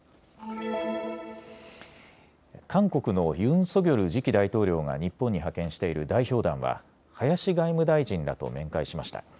韓国のユン・ソギョル次期大統領が日本に派遣している代表団は林外務大臣らと面会しました。